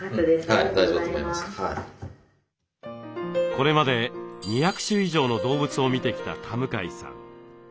これまで２００種以上の動物を診てきた田向さん。